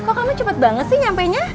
kok kamu cepet banget sih nyampe nya